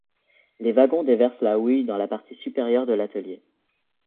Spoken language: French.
Les wagons déversent la houille dans la partie supérieure de l'atelier.